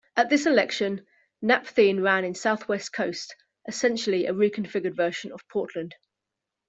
At this election, Napthine ran in South-West Coast, essentially a reconfigured version of Portland.